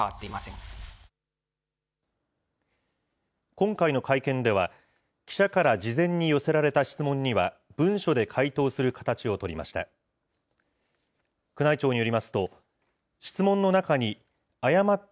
今回の会見では、記者から事前に寄せられた質問には文書で回答する形を取りました。